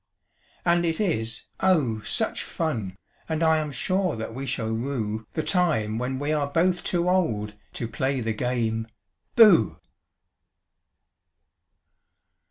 And it is, oh, such fun I am sure that we shall rue The time when we are both too old to play the game "Booh!"